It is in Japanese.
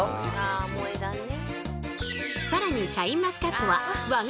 あ萌え断ね。